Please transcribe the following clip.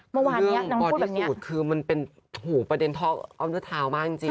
เมื่อวานเนี้ยน้องพูดแบบเนี้ยคือมันเป็นโหประเด็นทอดเอาเนื้อเท้ามากจริงจริง